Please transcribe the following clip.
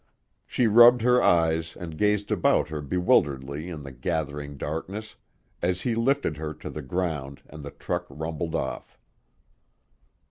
She rubbed her eyes and gazed about her bewilderedly in the gathering darkness as he lifted her to the ground and the truck rumbled off.